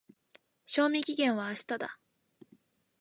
賞味期限は明日だ。